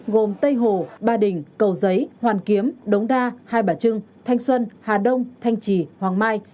gồm tây hồ ba đình cầu giấy hoàn kiếm đống đa hai bà trưng thanh xuân hà đông thanh trì hoàng mai